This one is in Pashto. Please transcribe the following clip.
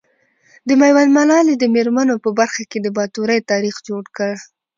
د ميوند ملالي د مېرمنو په برخه کي د باتورئ تاريخ جوړ کړ .